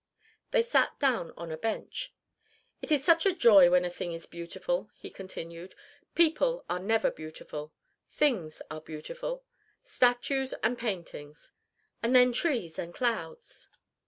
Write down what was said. They sat down on a bench. "It is such a joy when a thing is beautiful," he continued. "People are never beautiful. Things are beautiful: statues and paintings. And then trees and clouds!"